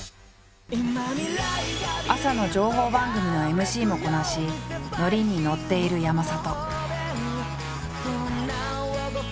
朝の情報番組のＭＣもこなし乗りに乗っている山里。